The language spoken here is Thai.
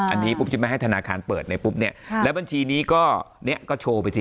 อันนี้ปุ๊บจะไม่ให้ธนาคารเปิดในปุ๊บเนี่ยแล้วบัญชีนี้ก็เนี่ยก็โชว์ไปที